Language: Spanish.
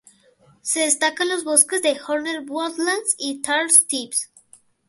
Se destacan los bosques de "Horner Woodlands" y "Tarr Steps".